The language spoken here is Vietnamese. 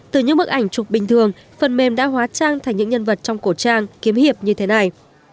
từ những bức ảnh chụp bình thường phần mềm đã hóa trang thành những nhân vật trong cổ trang kiếm hiệp như thế này